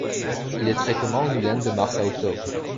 Il est très commun en Guyane de mars à octobre.